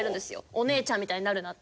おねえちゃんみたいになるなって。